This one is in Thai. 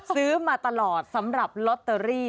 ซื้อมาตลอดสำหรับลอตเตอรี่